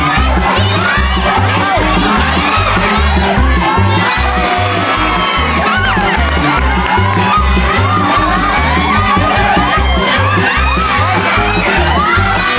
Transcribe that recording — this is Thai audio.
นี่เป็นให้เกิดลูกภายในวันร้ายมาก